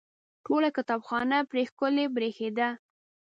ټوله کتابخانه پرې ښکلې برېښېده.